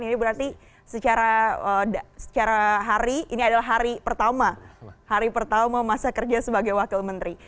ini berarti secara hari ini adalah hari pertama hari pertama masa kerja sebagai wakil menteri